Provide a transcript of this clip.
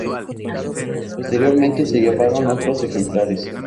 Posteriormente se llevaron otros ejemplares.